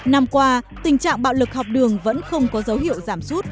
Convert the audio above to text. năm qua tình trạng bạo lực học đường vẫn không có dấu hiệu giảm sút